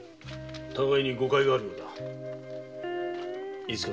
互いに誤解があるようだ。